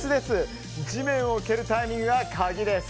地面を蹴るタイミングが鍵です。